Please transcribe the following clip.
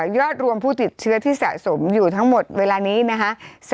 ยอดรวมผู้ติดเชื้อที่สะสมอยู่ทั้งหมดเวลานี้นะคะ